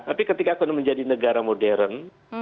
tapi ketika ekonomi menjadi negara modern